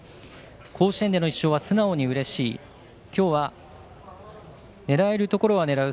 甲子園での１勝は素直にうれしい今日は狙えるところは狙う。